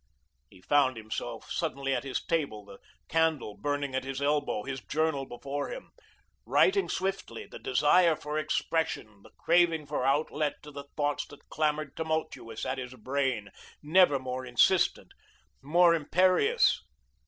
He found himself suddenly at his table, the candle burning at his elbow, his journal before him, writing swiftly, the desire for expression, the craving for outlet to the thoughts that clamoured tumultuous at his brain, never more insistent, more imperious.